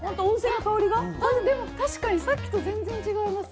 確かにさっきと全然違います。